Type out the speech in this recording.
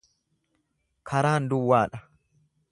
Karaan duwwaa dha.